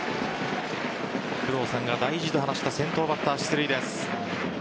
工藤さんが大事と話した先頭バッター出塁です。